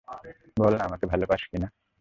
বল না, আমাকে ভালো পাস কি না?